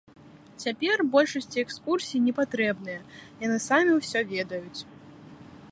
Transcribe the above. Цяпер большасці экскурсіі непатрэбныя, яны самі ўсё ведаюць.